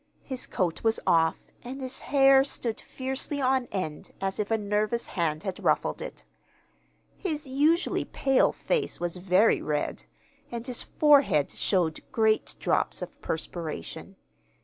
His coat was off, and his hair stood fiercely on end as if a nervous hand had ruffled it. His usually pale face was very red, and his forehead showed great drops of perspiration.